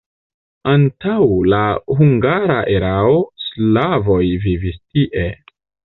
Antaŭ la hungara erao slavoj vivis tie.